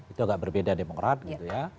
itu agak berbeda demokrasi